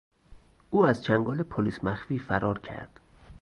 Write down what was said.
او از چنگال پلیس مخفی فرار کرد.